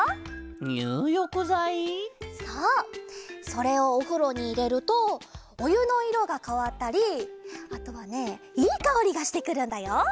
それをおふろにいれるとおゆのいろがかわったりあとはねいいかおりがしてくるんだよ。